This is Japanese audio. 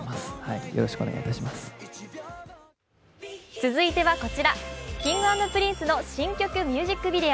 続いてはＫｉｎｇ＆Ｐｒｉｎｃｅの新曲ミュージックビデオ。